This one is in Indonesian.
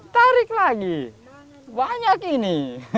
tarik lagi banyak ini